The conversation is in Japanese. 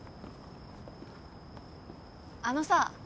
あのさ。